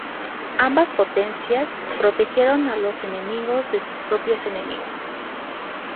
Ambas potencias protegieron a los enemigos de sus propios enemigos.